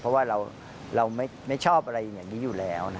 เพราะว่าเราไม่ชอบอะไรอย่างนี้อยู่แล้ว